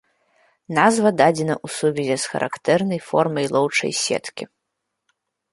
Назва дадзена ў сувязі з характэрнай формай лоўчай сеткі.